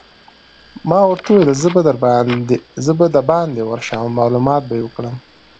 ما ورته وویل: زه به دباندې ورشم او معلومات به يې وکړم.